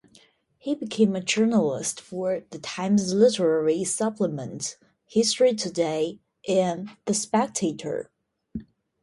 He became a journalist for "The Times Literary Supplement", "History Today" and "The Spectator".